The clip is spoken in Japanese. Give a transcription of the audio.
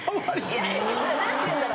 何て言うんだろ。